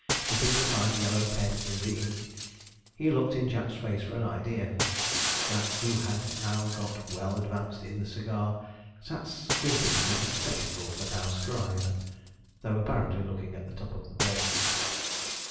Dipping the fine yellow pen in the ink, he looked in Jack's face for an idea. Jack, who had now got well advanced in the cigar, sat squinting through his spectacles at our scribe, though apparently looking at the top of the bed.